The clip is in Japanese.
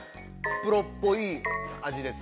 ◆プロっぽいいです。